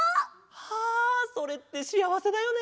はあそれってしあわせだよね。